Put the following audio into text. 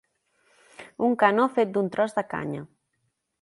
Un canó fet d'un tros de canya.